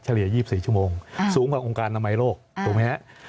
เฉลี่ย๒๔ชั่วโมงสูงกว่าองค์การอำไลโลกถูกไหมครับ